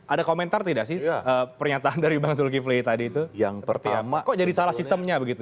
ada komentar tidak sih pernyataan dari bang zulkifli tadi itu